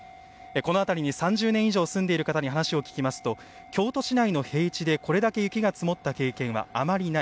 この辺りに３０年以上住んでいる方に話を聞きますと京都市内の平地でこれだけ雪が積もった経験はあまりない。